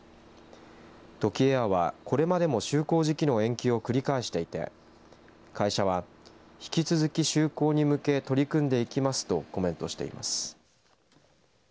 トキエアはこれまでも就航時期の延期を繰り返していて会社は、引き続き就航に向け取り組んでいきますとコメントしています。